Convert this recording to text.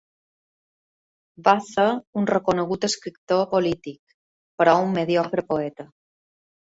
Va ser un reconegut escriptor polític, però un mediocre poeta.